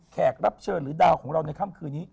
แขกรับเชิญหรือดาวของเราในค่ำคืนนี้